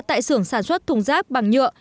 tại xưởng sản xuất thùng rác bằng nhựa